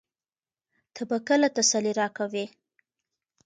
ته به کله تسلي راکوې؟